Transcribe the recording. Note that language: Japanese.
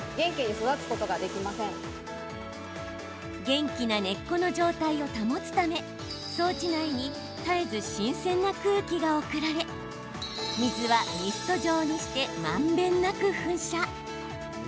元気な根っこの状態を保つため装置内に絶えず新鮮な空気が送られ水はミスト状にしてまんべんなく噴射。